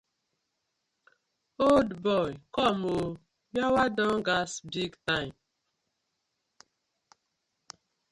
Old boy com ooo!!! Yawa don gas big time.